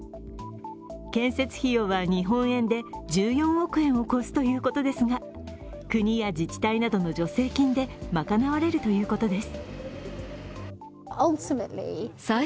建設費用は日本円で１４億円を超すということですが、国や自治体などの助成金で賄われるということです。